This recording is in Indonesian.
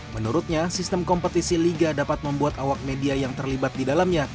menurutnya sistem kompetisi liga dapat membuat awak media yang terlibat di dalamnya